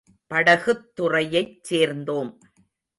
படகுத் துறையைச் சேர்ந்தோம்.